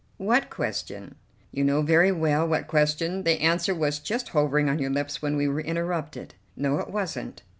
"What question?" "You know very well what question; the answer was just hovering on your lips when we were interrupted." "No, it wasn't."